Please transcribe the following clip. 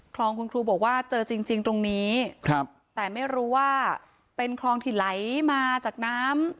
คลองคุณครูบอกว่าเจอจริงจริงตรงนี้ครับแต่ไม่รู้ว่าเป็นคลองที่ไหลมาจากน้ำ